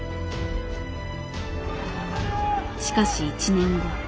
しかし１年後。